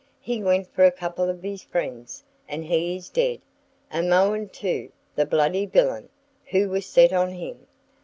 He went for a couple of his friends, and he is dead, and Mohun, too, the bloody villain, who was set on him.